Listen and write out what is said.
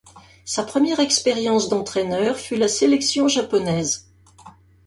Sa première expérience d'entraîneur fut la sélection japonaise.